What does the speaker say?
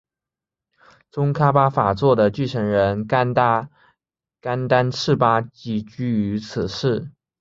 宗喀巴法座的继承人甘丹赤巴即居于此寺。